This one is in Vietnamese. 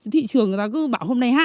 thị trường người ta cứ bảo hôm nay hạ